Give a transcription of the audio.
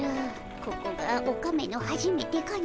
ここがオカメのはじめてかの。